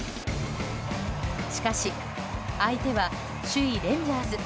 しかし、相手は首位レンジャーズ。